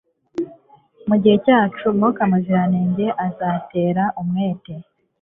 mu gihe cyacu Mwuka Muziranenge azatera umwete